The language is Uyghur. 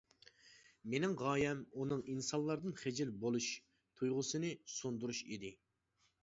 مېنىڭ غايەم ئۇنىڭ ئىنسانلاردىن خىجىل بولۇش تۇيغۇسىنى سۇندۇرۇش ئىدى.